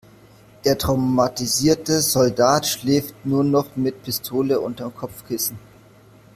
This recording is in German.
Der traumatisierte Soldat schläft nur noch mit Pistole unterm Kopfkissen.